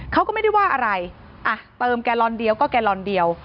เขาก็ไม่ได้ว่าอะไรอ่ะเติมแกลอนเดียวก็แกลลอนเดียว